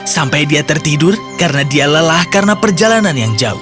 sampai dia tertidur karena dia lelah karena perjalanan yang jauh